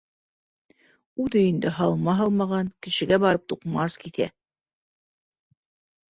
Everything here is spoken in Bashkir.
Үҙ өйөндә һалма һалмаған, кешегә барып туҡмас киҫә.